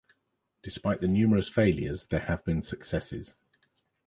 Despite the numerous failures there have been successes.